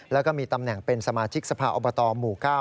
แล้วก็มีตำแหน่งเป็นสมาชิกสภาอบตหมู่๙